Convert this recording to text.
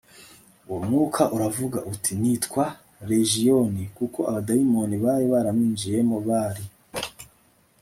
Uwo mwuka uravuga uti nitwa Legiyoni kuko abadayimoni bari baramwinjiyemo bari